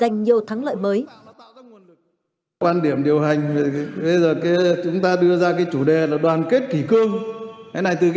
nhiều thắng lợi mới